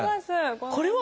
これは。